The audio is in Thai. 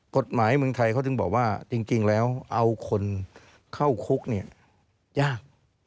กฎหมายเมืองไทยเขาถึงบอกว่าจริงแล้วเอาคนเข้าคุกเนี่ยยาก